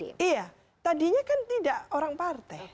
iya tadinya kan tidak orang partai